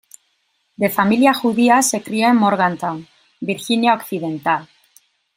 De familia judía, se crió en Morgantown, Virginia Occidental.